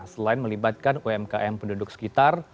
selain melibatkan umkm penduduk sekitar